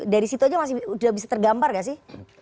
dari situ aja masih udah bisa tergambar gak sih